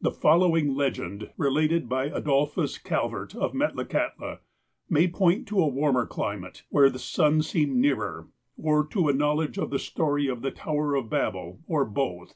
The following legend, related by Adolphus Calvert of Metlakahtla, may point to a warmer climate, where the sun seemed nearer, or to a knowledge of the story of the '' tower of Babel," or both.